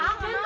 kena apaan ya